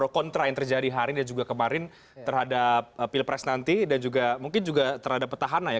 kontra yang terjadi hari ini dan juga kemarin terhadap pilpres nanti dan juga mungkin juga terhadap petahana ya